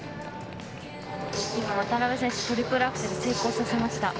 今、渡辺選手トリプルアクセル成功させました。